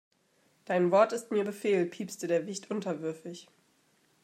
Dein Wort ist mir Befehl, piepste der Wicht unterwürfig.